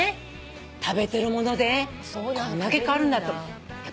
食べてるものでこんだけ変わるんだって。